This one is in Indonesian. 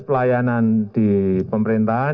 pelayanan di pemerintahan